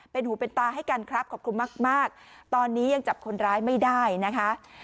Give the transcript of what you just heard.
เป็นหูเป็นตาให้กันครับขอบคุณมากตอนนี้ยังจับคนร้ายไม่ได้นะคะ